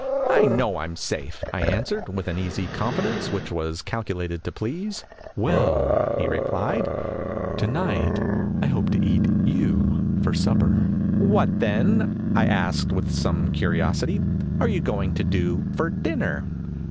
" I know I am safe," I answered, with an easy confidence which was calculated to please. "Well," he replied, "to night I hope to eat you for supper!" "What, then," I asked, with some curiosity, "are you going to do for dinner